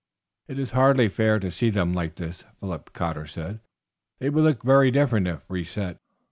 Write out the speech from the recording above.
"It is hardly fair to see them like this," Philip Cotter said. "They would look very different if reset.